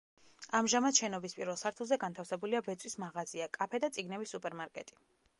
ამჟამად შენობის პირველ სართულზე განთავსებულია ბეწვის მაღაზია, კაფე და წიგნების სუპერმარკეტი.